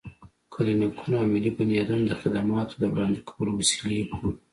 کلينيکونه او ملي بنيادونه د خدماتو د وړاندې کولو وسيلې بولو.